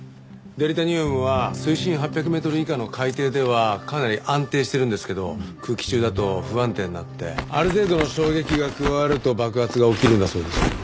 デリタニウムは水深８００メートル以下の海底ではかなり安定してるんですけど空気中だと不安定になってある程度の衝撃が加わると爆発が起きるんだそうです。